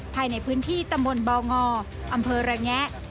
ภายในพื้นที่ตำบลบงอำเภอระแงะ